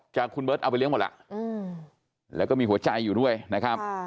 คุณเบิร์ตเอาไปเลี้ยหมดล่ะแล้วก็มีหัวใจอยู่ด้วยนะครับ